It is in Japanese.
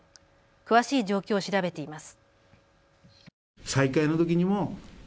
詳しい状況を調べています。